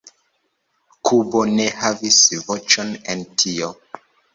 Kubo ne havis voĉon en tio"”.